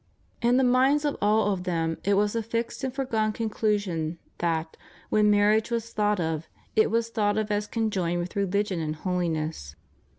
In the minds of all of them it was a fixed and foregone conclusion that, when marriage was thought of, it was thought of as conjoined with re ligion and holiness.